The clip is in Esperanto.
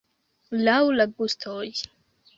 Laŭ la gustoj.